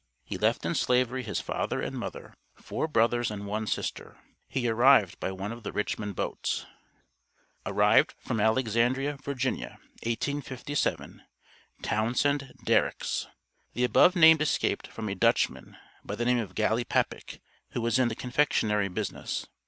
He left in slavery his father and mother, four brothers and one sister. He arrived by one of the Richmond boats. ARRIVED FROM ALEXANDRIA, VA., 1857. TOWNSEND DERRIX. The above named escaped from a "Dutchman" by the name of Gallipappick, who was in the confectionery business.